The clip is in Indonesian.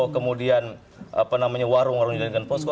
kemudian warung warungnya di dengan posko